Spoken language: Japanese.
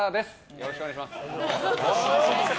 よろしくお願いします。